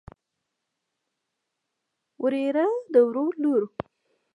وريره د ورور لور.